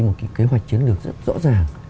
một cái kế hoạch chiến lược rất rõ ràng